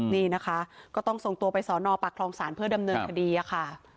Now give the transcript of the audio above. นี่นะคะก็ต้องส่งตัวไปสอนอปากคลองศาลเพื่อดำเนินคดีค่ะ